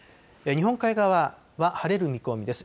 日本海側は晴れる見込みです。